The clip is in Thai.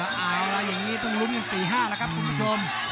เอาละอย่างนี้ต้องลุ้นกัน๔๕แล้วครับคุณผู้ชม